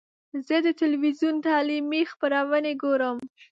زه د ټلویزیون تعلیمي خپرونې ګورم.